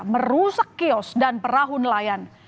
merusak kios dan perahu nelayan